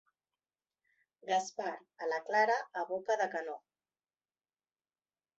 Gaspar a la Clara a boca de canó—.